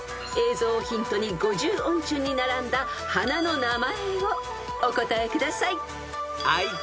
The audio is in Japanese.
［映像をヒントに５０音順に並んだ花の名前をお答えください］